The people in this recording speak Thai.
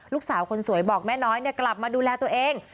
ลูกสาวคนสวยบอกแม่น้อยกลับมาดูแลตัวเอง